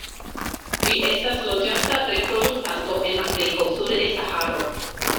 Ĝi estas loĝanta reproduktanto en Afriko sude de Saharo.